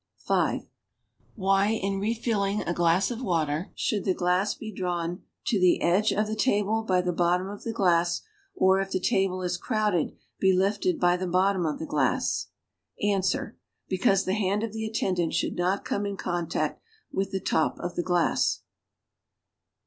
(.5) Why in refilling a glass of water should the glass be drawn to the edge of tfie table by the bottom of the glass, or, if the table be crowded be lifted by the bottom of the glass? Ans, Because the hand of the attendant should not come in con tact with the top of the glass.